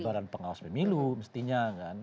badan pengawas pemilu mestinya kan